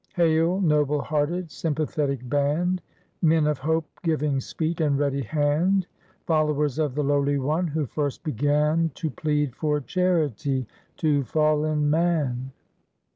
Hail, noble hearted, sympathetic band ! Men of hope giving speech and ready hand ! Followers of the Lowly One, who first began • To plead for charity to fallen man